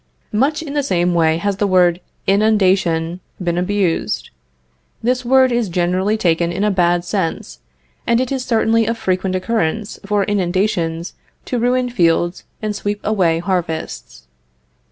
Much in the same way has the word inundation been abused. This word is generally taken in a bad sense; and it is certainly of frequent occurrence for inundations to ruin fields and sweep away harvests.